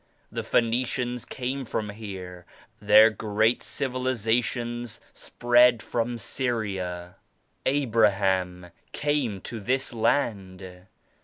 The Phoenicians came from here. Their great civilizations spread from Syria. Abraham came to this land.